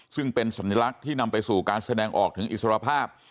ซึ่งเป็นสัญลักษณ์ที่นำไปสู่การแสดงออกถึงอิสรภาพ